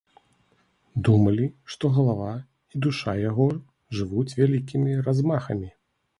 Думалі, што галава і душа яго жывуць вялікімі размахамі.